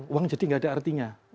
uang jadi nggak ada artinya